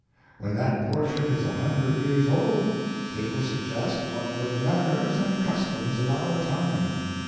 When that portrait is a hundred years old it will suggest what were the manners and customs in our time.